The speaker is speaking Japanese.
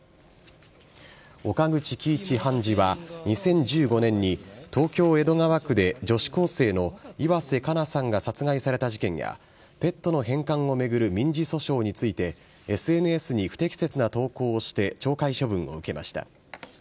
岡口基一判事は、２０１５年に、東京・江戸川区で女子高生の岩瀬加奈さんが殺害された事件や、ペットの返還を巡る民事訴訟についてＳＮＳに不適切な投稿をして、懲戒処分を受けました。